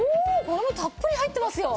これもたっぷり入ってますよ。